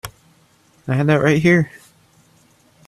I had that right here.